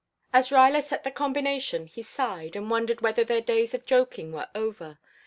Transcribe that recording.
As Ruyler set the combination he sighed and wondered whether their days of joking were over.